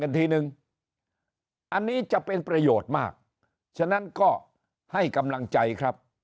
ทีนึงอันนี้จะเป็นประโยชน์มากฉะนั้นก็ให้กำลังใจครับ